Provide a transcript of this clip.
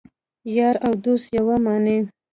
یار او دوست یوه معنی